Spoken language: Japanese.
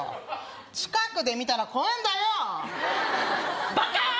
近くで見たら怖えんだよバカ！